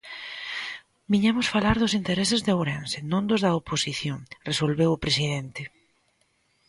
"Viñemos falar dos intereses de Ourense, non dos da oposición", resolveu o presidente.